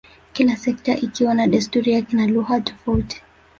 kila sekta ikiwa na desturi yake na lugha tofauti